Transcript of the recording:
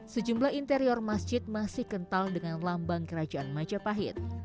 sejumlah interior masjid masih kental dengan lambang kerajaan majapahit